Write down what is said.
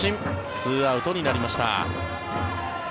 ２アウトになりました。